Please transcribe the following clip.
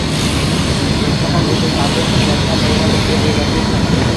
O‘zida ham o‘sha salbiy xususiyatlar bo‘ladi, deb o‘ylaysizmi?